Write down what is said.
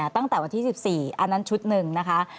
ตั้งแต่วันที่๑๔อันนั้นชุดหนึ่งนะคะ